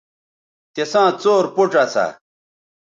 تِساں څور پوڇ اسا